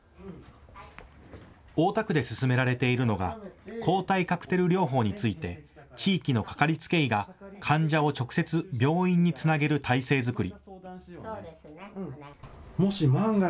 大田区で進められているのが抗体カクテル療法について地域のかかりつけ医が患者を直接、病院につなげる態勢作り。